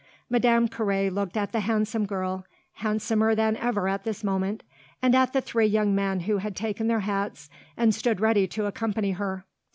Madame Carré looked at the handsome girl, handsomer than ever at this moment, and at the three young men who had taken their hats and stood ready to accompany her.